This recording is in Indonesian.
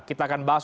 kita akan bahas